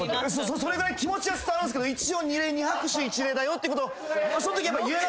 それぐらい気持ちは伝わるんすけど一応二礼二拍手一礼だよってことそんときやっぱ言えなくて。